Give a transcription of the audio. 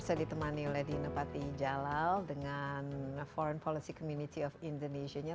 saya ditemani oleh dino patijalal dengan foreign policy community of indonesia nya